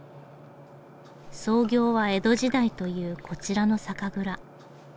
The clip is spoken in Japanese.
創業は江戸時代というこちらの酒蔵。